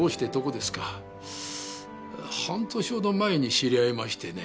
半年ほど前に知り合いましてね。